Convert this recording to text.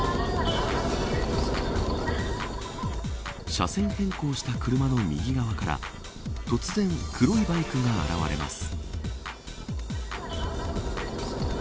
車線変更した車の右側から突然、黒いバイクが現れます。